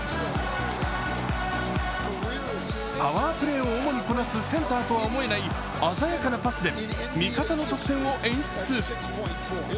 パワープレーを主にこなすセンターとは思えない鮮やかなパスで味方の得点を演出。